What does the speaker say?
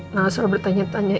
lalu selalu bertanya tanya